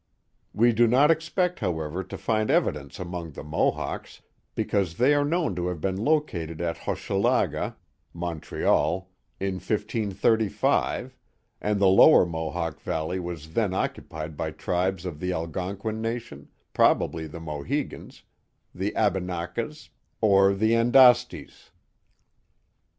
We do not expect, however, to find evidence among the Mohawks, because they are known to have been located at Hochelaga (Montreal) in 1535, and the lower Mohawk Valley was then occupied by tribes of the Algonquin nation, probably the Mohicans, the Abinakas, or the Andastes.